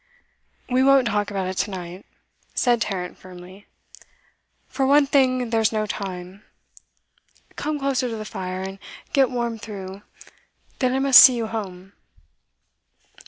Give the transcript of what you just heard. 'We won't talk about it to night,' said Tarrant firmly. 'For one thing, there's no time. Come closer to the fire, and get warm through; then I must see you home.